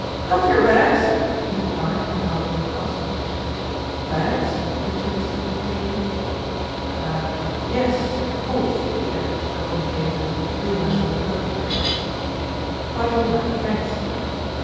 "Got your bags?" he enquired when half way across. "Bags," repeated Smith vaguely, "er yes, of course," he added a moment later, realising the purport of the question. "Quite all right, thanks."